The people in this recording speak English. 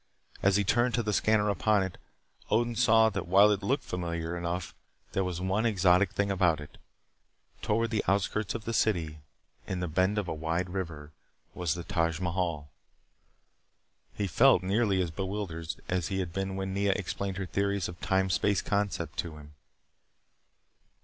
As he turned to the scanner upon it, Odin saw that while it looked familiar enough there was one exotic thing about it. Toward the outskirts of the city, in the bend of a wide river, was the Taj Mahal. He felt nearly as bewildered as he had been when Nea explained her theories of the Time Space Concept to him.